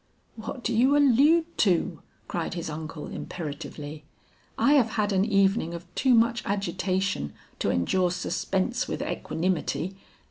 "What do you allude to?" cried his uncle, imperatively; "I have had an evening of too much agitation to endure suspense with equanimity.